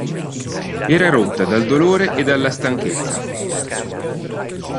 Era rotta dal dolore e dalla stanchezza.